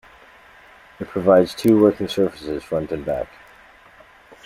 It provides two working surfaces, front and back.